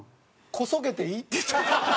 「こそげていい」？